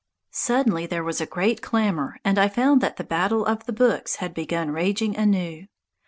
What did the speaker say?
Suddenly there was a great clamour, and I found that "The Battle of the Books" had begun raging anew.